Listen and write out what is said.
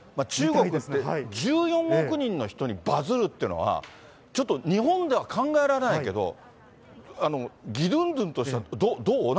中国って１４億人の人にバズるっていうのは、ちょっと日本では考えられないけど、ギドゥンドゥンとしたらどう？